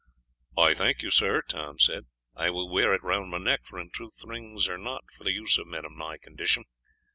"I thank you, sir," Tom said. "I will wear it round my neck, for in truth rings are not for the use of men in my condition.